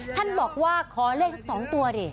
ท่านบอกว่าขอเลข๒ตัวดิ